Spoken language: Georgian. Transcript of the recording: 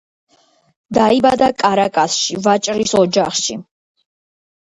დაიბადა კარაკასში, ვაჭრის ოჯახში.